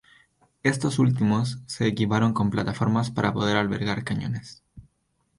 Estos últimos se equiparon con plataformas para poder albergar cañones.